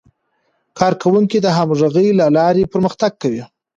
کارکوونکي د همغږۍ له لارې پرمختګ کوي